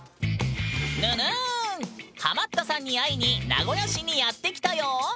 ハマったさんに会いに名古屋市にやって来たよ！